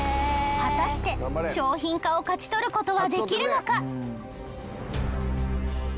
果たして商品化を勝ち取る事はできるのか！？